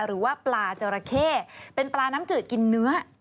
หรือว่าปลาจราเข้เป็นปลาน้ำจืดกินเนื้อ